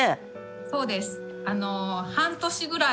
そうです。